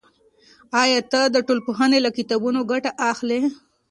آیا ته د ټولنپوهنې له کتابونو ګټه اخلی؟